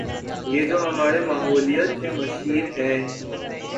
یہ جو ہمارے ماحولیات کے مشیر ہیں۔